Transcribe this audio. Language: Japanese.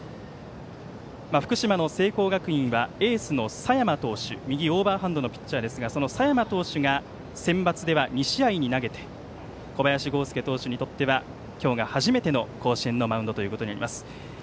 福島の聖光学院はエースの佐山投手右オーバーハンドのピッチャーですがその佐山投手がセンバツでは２試合で投げて小林剛介投手にとっては今日が初めての甲子園のマウンドとなります。